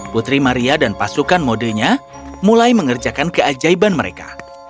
putri maria dan pasukan modenya mulai mengerjakan keajaiban mereka